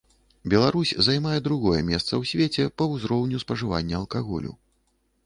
Беларусь займае другое месца ў свеце па ўзроўню спажывання алкаголю.